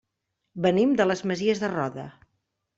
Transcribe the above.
Venim de les Masies de Roda.